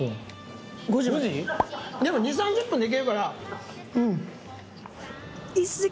でも２０３０分で行けるから。